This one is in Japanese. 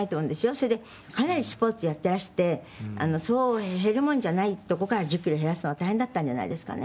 それでかなりスポーツやってらしてそう減るもんじゃないとこから１０キロ減らすのは大変だったんじゃないですかね。